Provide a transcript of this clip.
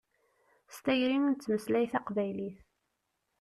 S tayri i nettmeslay taqbaylit.